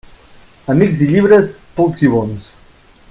Amics i llibres, pocs i bons.